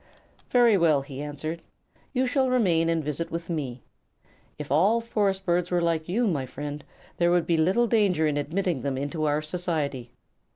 "Very well," he answered, "you shall remain and visit with me. If all forest birds were like you, my friend, there would be little danger in admitting them into our society.